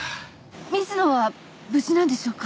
水野は無事なんでしょうか？